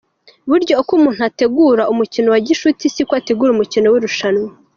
Burya uko umuntu ategura umukino wa gishuti siko ategura umukino w’irushanwa”.